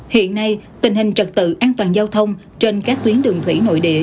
hiện nay tình hình trật tự an toàn giao thông trên các tuyến đường thủy nội địa